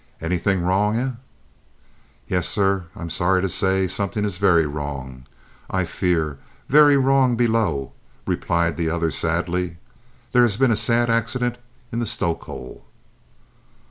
"Anything wrong, eh?" "Yes, sir, I'm sorry to say something is very wrong, I fear very wrong below," replied the other sadly. "There has been a sad accident in the stoke hole!"